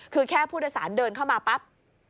คือแค่ผู้โดยสารเดินเข้ามาปั๊บ